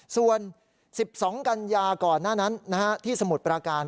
ส่วน๑๒กันยาก่อนหน้านั้นที่สมุทรปราการ